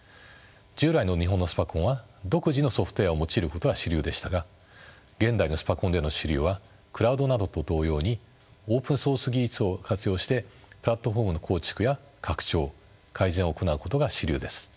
従来の日本のスパコンは独自のソフトウエアを用いることが主流でしたが現代のスパコンでの主流はクラウドなどと同様にオープンソース技術を活用してプラットフォームの構築や拡張・改善を行うことが主流です。